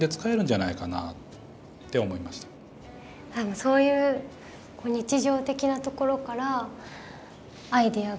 そういう日常的なところからアイデアが。